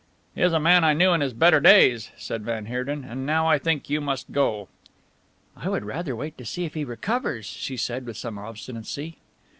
"He is a man I knew in his better days," said van Heerden, "and now I think you must go." "I would rather wait to see if he recovers," she said with some obstinacy.